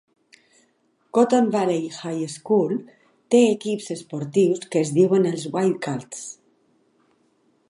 Cotton Valley High School té equips esportius que es diuen els Wildcats.